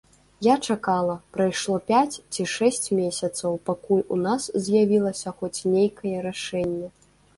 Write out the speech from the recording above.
Я чакала, прайшло пяць ці шэсць месяцаў, пакуль у нас з'явілася хоць нейкае рашэнне.